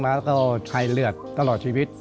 เราก็ให้เลือดตลอดชีวิต